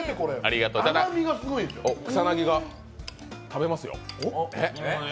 草薙が食べますよ。